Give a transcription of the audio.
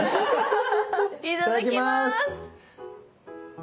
いただきます！